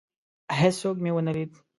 هیڅوک مي ونه لید.